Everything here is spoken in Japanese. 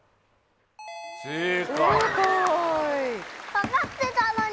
・分かってたのに。